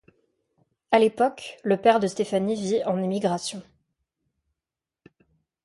À l'époque, le père de Stéphanie vit en émigration.